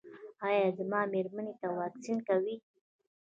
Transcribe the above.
ایا زما میرمنې ته واکسین کوئ؟